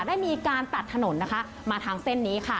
ได้มีการตัดถนนนะคะมาทางเส้นนี้ค่ะ